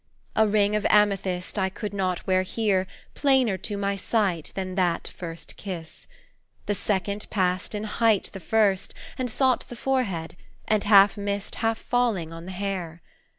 A ring of amethyst I could not wear here, plainer to my sight, Than that first kiss. The second passed in height The first, and sought the forehead, and half missed Half falling on the hair.